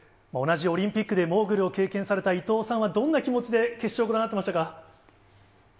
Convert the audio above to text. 同じオリンピックでモーグルを経験された伊藤さんはどんな気持ちで決勝、ご覧になってましたか？